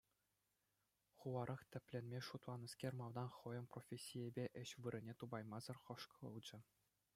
Хуларах тӗпленме шутланӑскер малтан хӑйӗн профессийӗпе ĕç вырӑнӗ тупаймасӑр хӑшкӑлчӗ.